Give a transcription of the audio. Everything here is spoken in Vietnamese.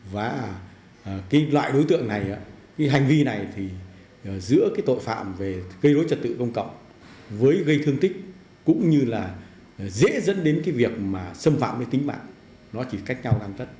và cái loại đối tượng này cái hành vi này thì giữa cái tội phạm về gây rối trật tự công cộng với gây thương tích cũng như là dễ dẫn đến cái việc mà xâm phạm cái tính mạng nó chỉ cách nhau đang tất